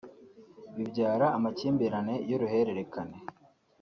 bibyara amakimbirane y’uruhererekane